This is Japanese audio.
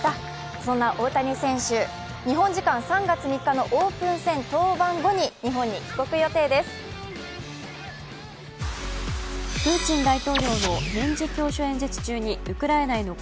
そんな大谷選手、日本時間３月３日のオープン戦登板後にこの時間の最新のニュースです。